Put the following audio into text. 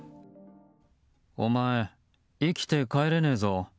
お前、生きて帰れねえぞ。